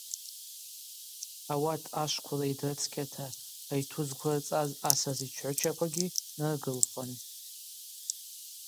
Ауат ашвквала йдрыцкьата айту зквырцӏаз асас йчгӏвычаквагьи наргылхуан.